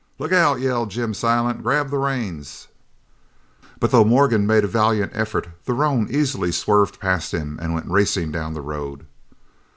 "Look out!" yelled Jim Silent. "Grab the reins!" But though Morgan made a valiant effort the roan easily swerved past him and went racing down the road.